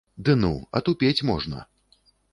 Ды ну, атупець можна.